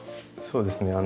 そうですね